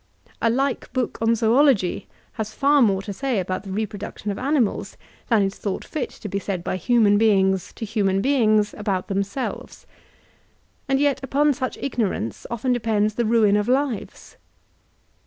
A like book on zoology has far more to say about the reproduction of animals than is thought fit to be said by human beings to human beings about themselves. And yet upon sudi ignorance often depends the ruin of lives.